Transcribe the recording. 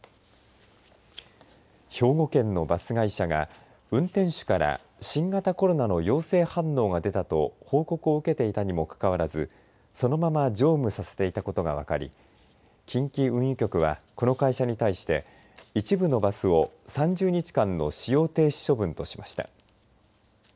兵庫県のバス会社が運転手から新型コロナの陽性反応が出たと報告を受けていたにもかかわらずそのまま乗務させていたことが分かり近畿運輸局はこの会社に対して一部のバスを３０日間の使用停止処分としました。